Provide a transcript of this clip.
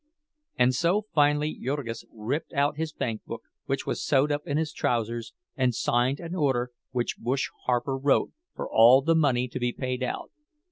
And so finally Jurgis ripped out his bankbook—which was sewed up in his trousers—and signed an order, which "Bush" Harper wrote, for all the money to be paid out.